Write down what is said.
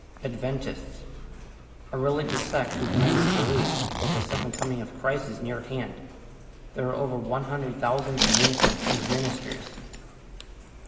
=Adventists.= A religious sect whose members believe that the second coming of Christ is near at hand. There are over 100,000 communicants and ministers.